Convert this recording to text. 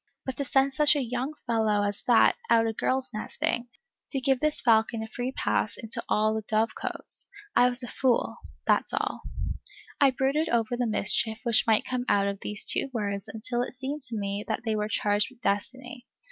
But to send such a young fellow as that out a girl's nesting! to give this falcon a free pass into all the dove cotes! I was a fool, that's all. I brooded over the mischief which might come out of these two words until it seemed to me that they were charged with destiny.